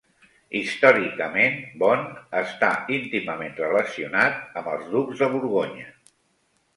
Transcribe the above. Històricament, Beaune està íntimament relacionat amb els ducs de Borgonya.